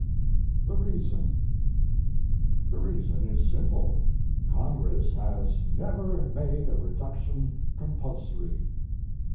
The Reason: The reason is simple: Congress has never made a reduction compulsory.